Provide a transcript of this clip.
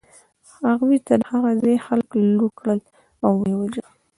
هغوی د هغه ځای خلک لوټ کړل او و یې وژل